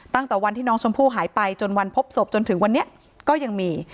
ตั้งแต่วันที่น้องชมพู่หายไปจนวันพบศพจนถึงวันนี้ก็ยังมี